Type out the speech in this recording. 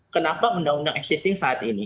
kenapa undang undang existing saat ini